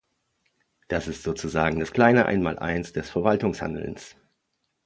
Das ist sozusagen das kleine Einmaleins des Verwaltungshandelns.